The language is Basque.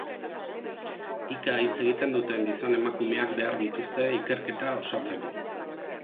Hika hitz egiten duten gizon emakumeak behar dituzte ikerketa osatzeko.